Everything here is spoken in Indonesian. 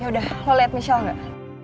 yaudah lo liat michelle gak